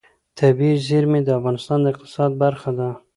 طبیعي زیرمې د افغانستان د اقتصاد برخه ده.